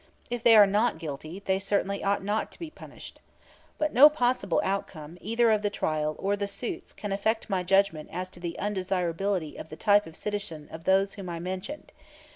If they are not guilty, they certainly ought not to be punished. But no possible outcome either of the trial or the suits can affect my judgment as to the undesirability of the type of citizenship of those whom I mentioned.